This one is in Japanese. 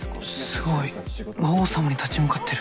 すごい魔王様に立ち向かってる。